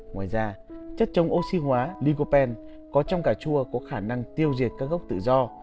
ngoài ra chất chống oxy hóa ligopen có trong cà chua có khả năng tiêu diệt các gốc tự do